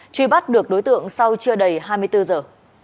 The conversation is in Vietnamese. truy bắt được đối tượng sau chưa đầy hai mươi bốn giờ